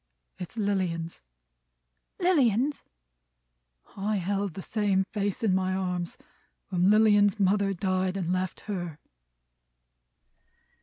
"It's Lilian's." "Lilian's!" "I held the same face in my arms when Lilian's mother died and left her."